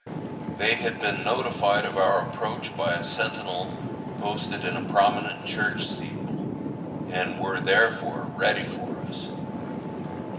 They had been notified of our approach by a sentinel posted in a prominent church steeple, and were, therefore, ready for us.